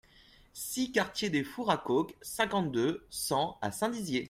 six quartier des Fours à Coke, cinquante-deux, cent à Saint-Dizier